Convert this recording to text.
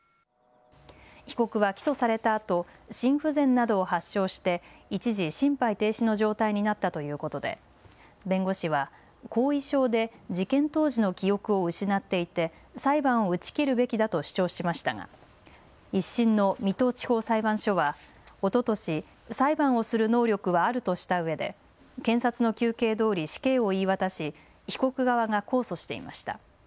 被告は起訴されたあと心不全などを発症して一時、心肺停止の状態になったということで弁護士は後遺症で事件当時の記憶を失っていて裁判を打ち切るべきだと主張しましたが１審の水戸地方裁判所はおととし、裁判をする能力はあるとしたうえで検察の求刑どおり死刑を言い渡し被告側が控訴していました。